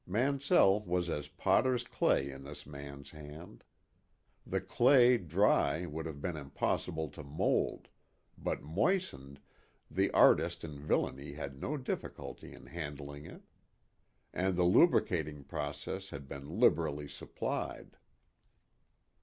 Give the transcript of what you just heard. Mansell was as potter's clay in this man's hands. The clay dry would have been impossible to mould, but moistened, the artist in villainy had no difficulty in handling it. And the lubricating process had been liberally supplied.